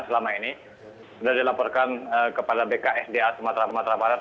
selama ini sudah dilaporkan kepada bksda sumatera sumatera barat